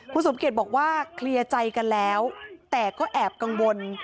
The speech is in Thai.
คุณสมเกียจบอกว่าเคลียร์ใจกันแล้วแต่ก็แอบกังวล